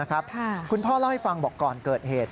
คุณพ่อเล่าให้ฟังบอกก่อนเกิดเหตุ